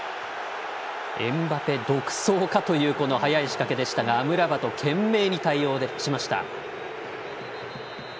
エムバペ独走かという速い仕掛けでしたがアムラバト、懸命に対応しました。